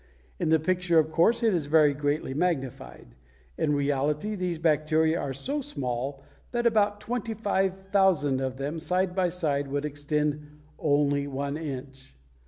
In the picture, of course, it is very greatly magnified. In reality these bacteria are so small that about twenty five thousand of them side by side would extend only one inch.